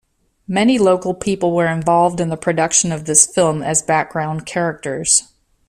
Many local people were involved in the production of this film as background characters.